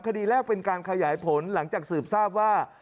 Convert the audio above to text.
คดีแรกเป็นการขยายผลหลังจากสืบทราบว่า